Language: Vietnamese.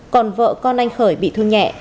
còn vợ con anh khởi bị thương nhẹ